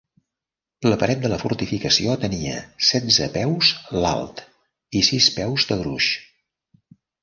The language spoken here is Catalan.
La paret de la fortificació tenia setze peus l"alt i sis peus de gruix.